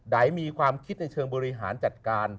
มีความคิดในเชิงบริหารจัดการ